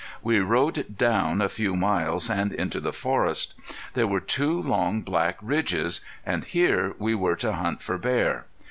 We rode down a few miles, and into the forest. There were two long, black ridges, and here we were to hunt for bear.